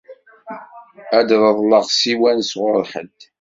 Ad d-reḍleɣ ssiwan sɣur ḥedd.